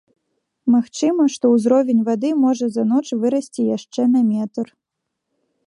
Магчыма, што ўзровень вады можа за ноч вырасці яшчэ на метр.